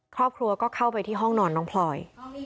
ครอบครัวก็เข้าไปที่ห้องนอนน้องพลอย